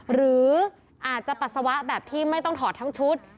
หรืออาจจะปัสสาวะแบบที่ไม่ต้องถอดทั้งชุด